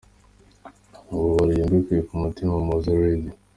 Nkubabariye mbikuye ku mutima Mowzey Radio.”